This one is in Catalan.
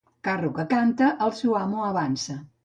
Carro que canta, el seu amo avança.